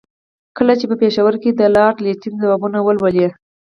کله چې په پېښور کې د لارډ لیټن ځوابونه ولولي.